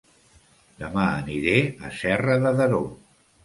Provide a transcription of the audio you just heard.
Dema aniré a Serra de Daró